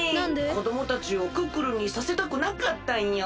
こどもたちをクックルンにさせたくなかったんよ。